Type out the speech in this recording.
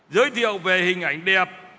giới thiệu về hình ảnh đẹp